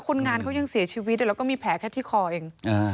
คนงานเขายังเสียชีวิตแล้วก็มีแผลแค่ที่คอเอง